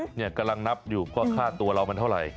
เนี่ยกำลังนับอยู่ว่าค่าตัวเรามันเท่าไหร่